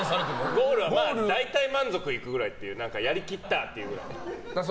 ゴールは大体満足いくぐらいっていうやりきったというくらい。